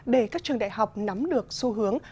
để các trường đại học nắm được xu hướng